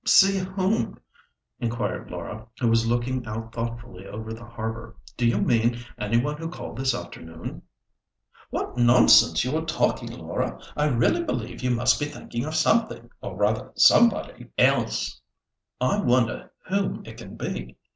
"See whom?" inquired Laura, who was looking out thoughtfully over the harbour. "Do you mean any one who called this afternoon?" "What nonsense you are talking, Laura! I really believe you must be thinking of something, or rather somebody, else. I wonder whom it can be?